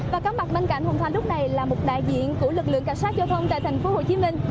và cáo mặt bên cạnh hùng thoà lúc này là một đại diện của lực lượng cảnh sát giao thông tại tp hcm